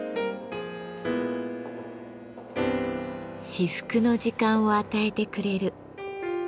至福の時間を与えてくれる。